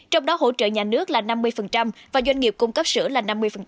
trong đó hỗ trợ nhà nước là năm mươi và doanh nghiệp cung cấp sữa là năm mươi